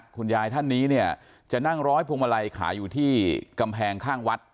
คุณยายท่านนี้เนี่ยจะนั่งร้อยพวงมาลัยขายอยู่ที่กำแพงข้างวัด